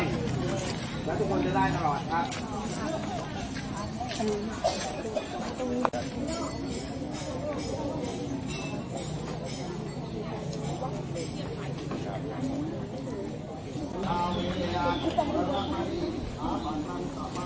แล้วทุกคนจะได้ตลอดครับ